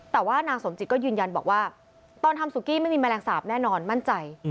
แต่ว่านางสมจิตก็ยืนยันบอกว่าตอนทำสุกี้ไม่มีแมลงสาปแน่นอนมั่นใจ